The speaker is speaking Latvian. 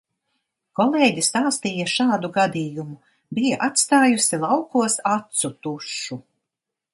Kolēģe stāstīja šādu gadījumu: bija atstājusi laukos acu tušu.